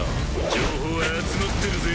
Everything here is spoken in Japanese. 情報は集まってるぜ。